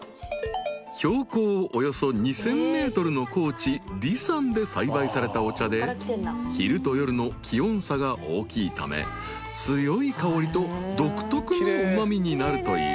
［標高およそ２，０００ｍの高地梨山で栽培されたお茶で昼と夜の気温差が大きいため強い香りと独特のうま味になるという］